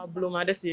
belum ada sih